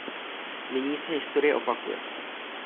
Nyní se historie opakuje.